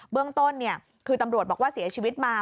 เรื่องต้นคือตำรวจบอกว่าเสียชีวิตมา